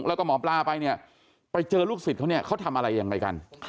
แล้วก็หมอปลาไปเนี่ยไปเจอลูกศิษย์เขาเนี่ยเขาทำอะไรยังไงกัน